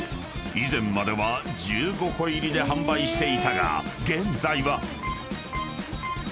以前までは１５個入りで販売していたが現在は］